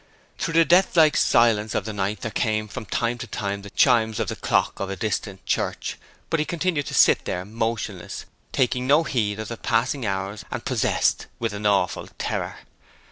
Through the deathlike silence of the night there came from time to time the chimes of the clock of a distant church, but he continued to sit there motionless, taking no heed of the passing hours, and possessed with an awful terror.